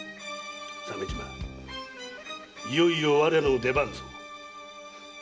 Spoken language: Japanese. いよいよ我らの出番ぞ。